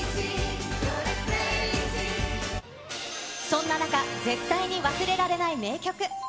そんな中、絶対に忘れられない名曲。